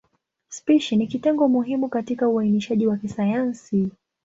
Spishi ni kitengo muhimu katika uainishaji wa kisayansi.